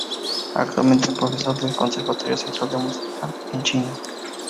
Actualmente es profesor del Conservatorio Central de Música en China.